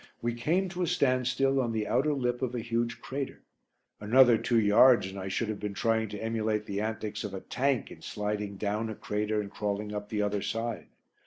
We came to a standstill on the outer lip of a huge crater. Another two yards and I should have been trying to emulate the antics of a "tank" in sliding down a crater and crawling up the other side.